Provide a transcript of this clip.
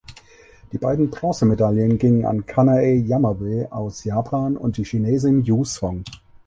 Die beiden Bronzemedaillen gingen an Kanae Yamabe aus Japan und die Chinesin Yu Song.